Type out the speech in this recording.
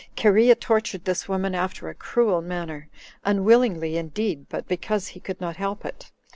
Cherea tortured this woman after a cruel manner; unwillingly indeed, but because he could not help it.